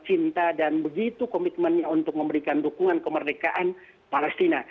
cinta dan begitu komitmennya untuk memberikan dukungan kemerdekaan palestina